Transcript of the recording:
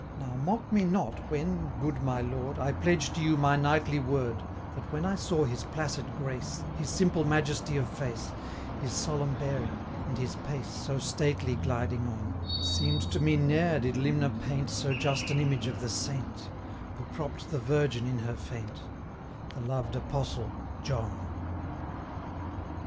Now, mock me not, when, good my Lord, I pledge to you my knightly word, That, when I saw his placid grace, 330 His simple majesty of face, His solemn bearing, and his pace So stately gliding on, Seem'd to me ne'er did limner paint So just an image of the Saint, 335 Who propp'd the Virgin in her faint, The loved Apostle John!